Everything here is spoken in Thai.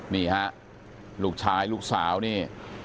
นี่ฮะลูกชายลูกสาวนี่